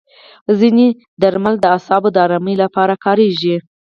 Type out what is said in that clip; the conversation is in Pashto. ځینې درمل د اعصابو د ارامۍ لپاره کارېږي.